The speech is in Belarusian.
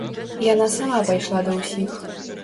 Яна сама пайшла да ўсіх.